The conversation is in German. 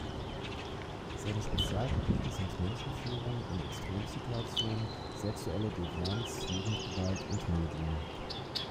Seine Spezialgebiete sind Menschenführung in Extremsituationen, sexuelle Devianz, Jugendgewalt und Medien.